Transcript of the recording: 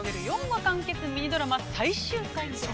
４話完結ミニドラマ、最終回です。